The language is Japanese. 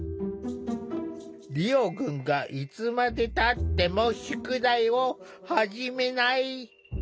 リオくんがいつまでたっても宿題を始めない。